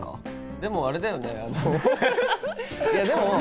でもあれだよね？